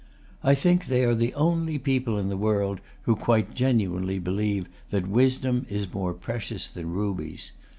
I think they are the only people in the world who quite genuinely believe that wisdom is more precious than rubies.